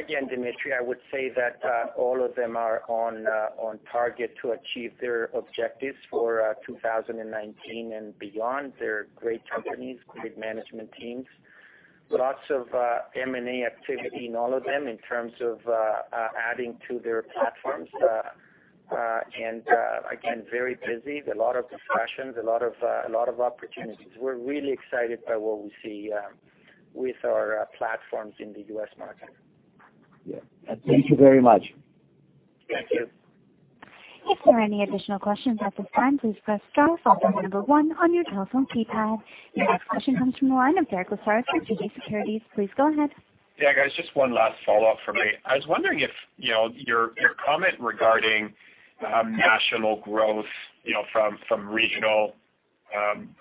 Speaker 2: Again, Dmitry, I would say that all of them are on target to achieve their objectives for 2019 and beyond. They're great companies, great management teams. Lots of M&A activity in all of them in terms of adding to their platforms. Again, very busy. A lot of discussions, a lot of opportunities. We're really excited by what we see with our platforms in the U.S. market.
Speaker 13: Yeah. Thank you very much.
Speaker 3: Thank you.
Speaker 1: If there are any additional questions at this time, please press star followed by number 1 on your telephone keypad. Your next question comes from the line of Derek Lessard from TD Securities. Please go ahead.
Speaker 5: Yeah, guys, just one last follow-up for me. I was wondering if your comment regarding national growth from regional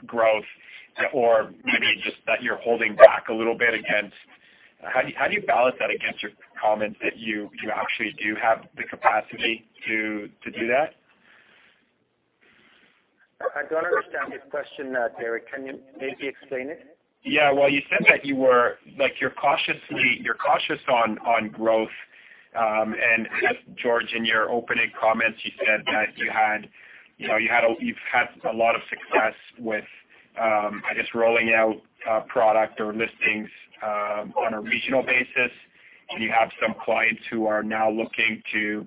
Speaker 5: growth, or maybe just that you're holding back a little bit against How do you balance that against your comments that you actually do have the capacity to do that?
Speaker 2: I don't understand the question, Derek. Can you maybe explain it?
Speaker 5: Well, you said that you're cautious on growth. George, in your opening comments, you said that you've had a lot of success with, I guess, rolling out product or listings on a regional basis, and you have some clients who are now looking to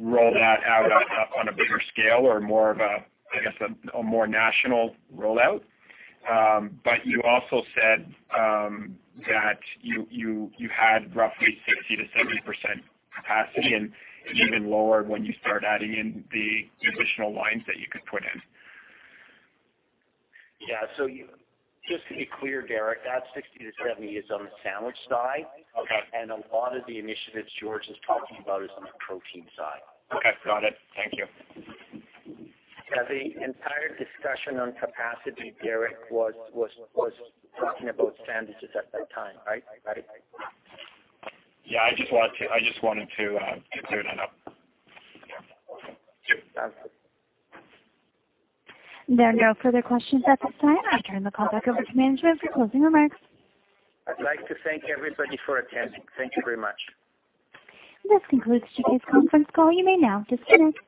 Speaker 5: roll that out on a bigger scale or I guess, a more national rollout. You also said that you had roughly 60%-70% capacity and even lower when you start adding in the additional lines that you could put in.
Speaker 3: Just to be clear, Derek, that 60%-70% is on the sandwich side.
Speaker 5: Okay.
Speaker 3: A lot of the initiatives George is talking about is on the protein side.
Speaker 5: Okay, got it. Thank you.
Speaker 2: The entire discussion on capacity, Derek, was talking about sandwiches at that time, right?
Speaker 5: Yeah. I just wanted to clear that up.
Speaker 1: There are no further questions at this time. I turn the call back over to management for closing remarks.
Speaker 2: I'd like to thank everybody for attending. Thank you very much.
Speaker 1: This concludes today's conference call. You may now disconnect.